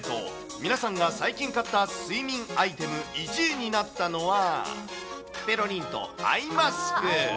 皆さんが最近買った睡眠アイテム１位になったのは、ぺろりんと、アイマスク。